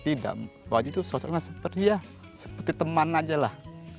tidak ibu wajih itu sosoknya seperti teman aja lah